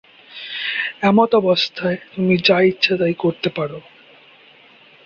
এমতাবস্থায় তুমি যা ইচ্ছা তাই করতে পার'।